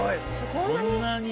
こんなに？